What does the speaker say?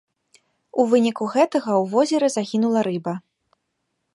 У выніку гэтага ў возеры загінула рыба.